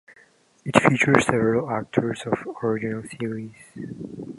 It features several actors of the original series.